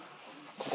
ここ。